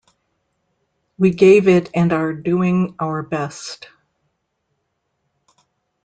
We gave it and are doing our best.